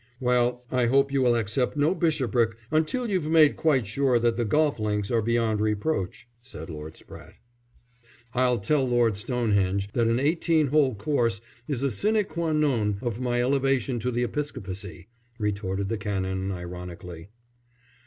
"Well, I hope you will accept no bishopric until you've made quite sure that the golf links are beyond reproach," said Lord Spratte. "I'll tell Lord Stonehenge that an eighteen hole course is a sine qua non of my elevation to the Episcopacy," retorted the Canon, ironically.